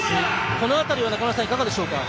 この辺りは中村さんいかがでしょうか？